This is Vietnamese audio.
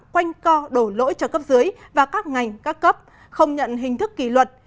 quanh co đổ lỗi cho cấp dưới và các ngành các cấp không nhận hình thức kỷ luật